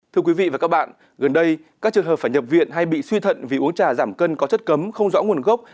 thưa quý vị và các bạn gần đây các trường hợp phải nhập viện hay bị suy thận vì uống trà giảm cân có chất cấm không rõ nguồn gốc